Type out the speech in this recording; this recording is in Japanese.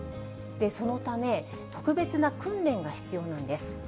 そのため、特別な訓練が必要なんです。